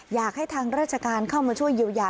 อยากให้ทางราชการเข้ามาช่วยเยียวยา